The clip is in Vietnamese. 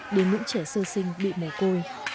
đến những trẻ sơ sinh bị mẻ côi